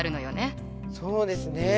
そうですね。